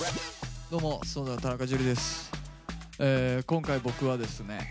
今回僕はですね